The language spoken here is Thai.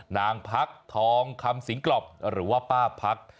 นางพักทองคำสิงกรอบหรือว่าป้าพัก